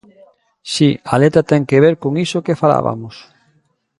Si, a letra ten que ver con iso que falabamos.